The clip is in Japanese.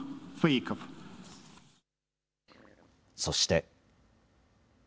そして。